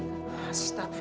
ini bukan takdir